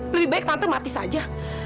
lebih baik tante mati saja